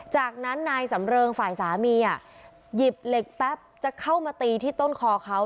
จากนั้นนายสำเริงฝ่ายสามีหยิบเหล็กแป๊บจะเข้ามาตีที่ต้นคอเขา